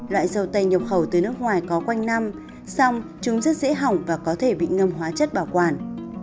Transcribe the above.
loại dầu tây nhập khẩu từ nước ngoài có quanh năm xong chúng rất dễ hỏng và có thể bị ngâm hóa chất bảo quản